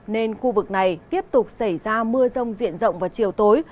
nên khu vực này tiếp tục xảy ra mưa rông diện rộng vào chiều tối